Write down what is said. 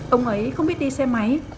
ông ấy không biết đi xe máy